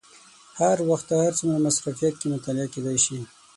هر وخت او هر څومره مصروفیت کې مطالعه کېدای شي.